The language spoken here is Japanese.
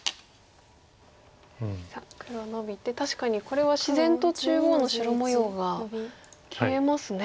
さあ黒ノビて確かにこれは自然と中央の白模様が消えますね。